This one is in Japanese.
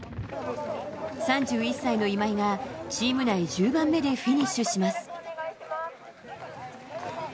３１歳の今井がチーム内１０番目でフィニッシュします。